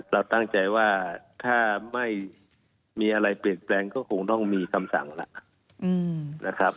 เราตั้งใจว่าถ้าไม่มีอะไรเปลี่ยนแปลงก็คงต้องมีคำสั่งแล้วนะครับ